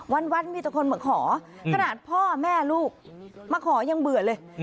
วันมีแต่คนมาขอขนาดพ่อแม่ลูกมาขอยังเบื่อเลย